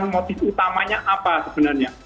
motif utamanya apa sebenarnya